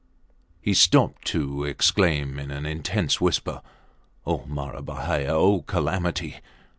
He stopped to exclaim in an intense whisper, O Mara bahia! O Calamity!